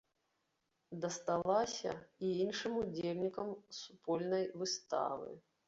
Дасталася і іншым удзельнікам супольнай выставы.